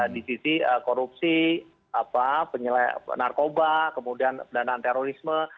di sisi korupsi narkoba kemudian pendanaan terorisme